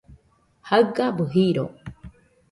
jaɨgabɨ jiro